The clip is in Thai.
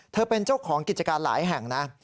เป็นเจ้าของกิจการหลายแห่งนะ